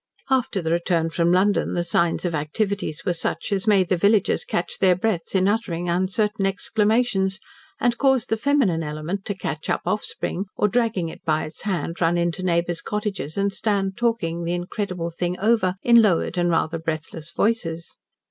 After the return from London the signs of activity were such as made the villagers catch their breaths in uttering uncertain exclamations, and caused the feminine element to catch up offspring or, dragging it by its hand, run into neighbours' cottages and stand talking the incredible thing over in lowered and rather breathless voices.